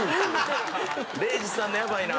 礼二さんのやばいな。